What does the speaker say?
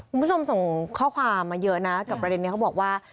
คุณผู้ชมส่งข้อความมาเยอะนะกับประเด็นนี้เขาบอกว่า